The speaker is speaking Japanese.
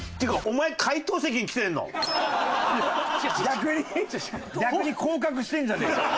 逆に降格してるんじゃねえか。